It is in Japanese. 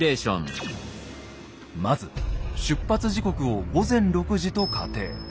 まず出発時刻を午前６時と仮定。